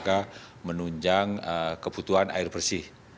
dalam rangka menunjang kebutuhan air bersih